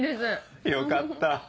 よかった。